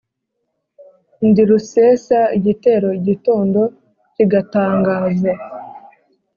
Ndi rusesa igitero igitondo kigatangaza.